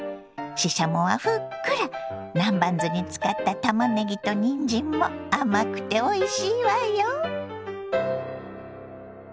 ししゃもはふっくら南蛮酢につかったたまねぎとにんじんも甘くておいしいわよ。